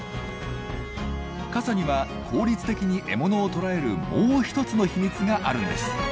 傘には効率的に獲物を捕らえるもう一つの秘密があるんです。